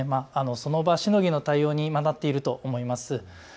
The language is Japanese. その場しのぎの対応になっていると思います。